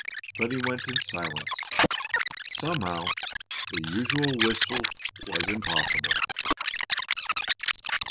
But he went in silence. Somehow the usual whistle was impossible.